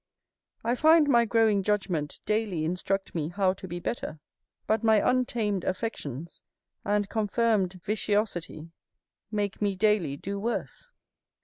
I find my growing judgment daily instruct me how to be better, but my untamed affections and confirmed vitiosity make me daily do worse.